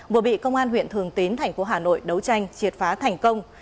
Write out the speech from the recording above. vừa bị công an huyện thường tín thành phố hà nội đấu tranh triệt phá thành công